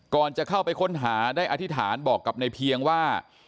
ก่อนจะเข้าไปค้นหาได้อธิษฐานบอกกับในเพียงว่า